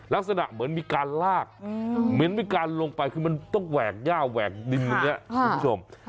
ลักษณะเหมือนมีการลากเหมือนมีการลงไปคือมันต้องแหวกย่าแหวกดินตรงนี้คุณผู้ชม